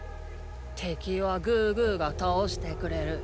てきはグーグーがたおしてくれる。